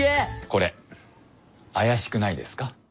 これあやしくないですか？